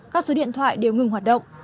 các số điện thoại đều ngừng hoạt động